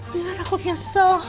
minah aku nyesel